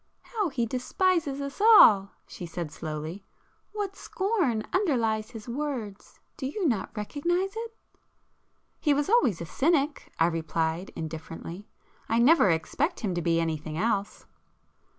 "How he despises us all!" she said slowly—"What scorn underlies his words! Do you not recognise it?" "He was always a cynic,—" I replied indifferently—"I never expect him to be anything else."